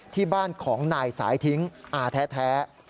ที่บ้านของนายสายทิ้งอาแท้